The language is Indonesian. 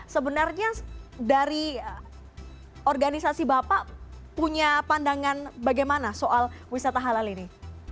sebenarnya dari organisasi bapak punya pandangan bagaimana soal wisata halal ini